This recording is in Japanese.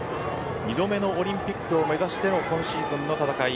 ２度目のオリンピックを目指して今シーズンの戦い